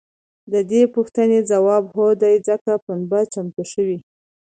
د دې پوښتنې ځواب هو دی ځکه پنبه چمتو شوې.